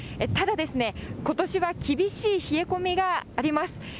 ただですね、ことしは厳しい冷え込みがあります。